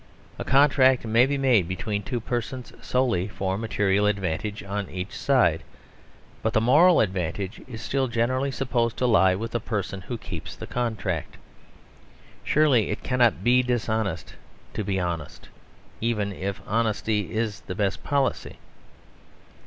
A contract may be made between two persons solely for material advantage on each side: but the moral advantage is still generally supposed to lie with the person who keeps the contract. Surely it cannot be dishonest to be honest even if honesty is the best policy.